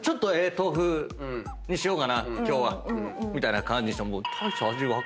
豆腐にしようかな今日はみたいな感じにしても。